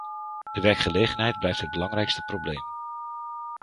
De werkgelegenheid blijft het belangrijkste probleem.